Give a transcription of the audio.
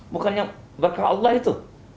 bukannya berkah allah itu